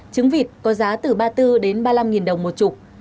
trứng vịt có giá từ ba mươi bốn đến ba mươi năm nghìn đồng một chục